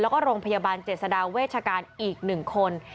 แล้วก็โรงพยาบาลเจษฎาเวชการอีก๑คน